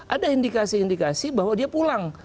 ada indikasi indikasi bahwa dia pulang